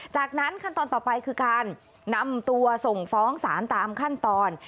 จากนั้นขั้นตอนต่อไปคือการนำตัวส่งฟ้องศาลตามขั้นตอน